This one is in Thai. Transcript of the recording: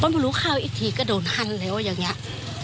เพิ่งมารู้ข่าวอีกทีก็โดนทันเลยว่าอย่างเนี้ย